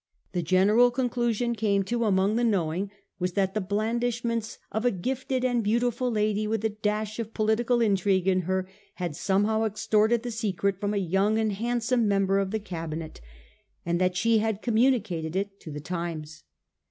The general conclusion come to among the knowing was that the blandishments of a gifted and beautiful lady with a dash of political intrigue in her had somehow extorted the secret from a young and handsome member of the Cabinet, and that she had communicated it to the Times.